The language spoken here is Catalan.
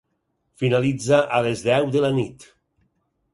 Finalitza a les deu de la nit.